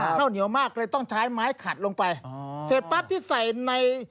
ข้าวเหนียวมากเลยต้องใช้ไม้ขัดลงไปอ๋อเสร็จปั๊บที่ใส่ใน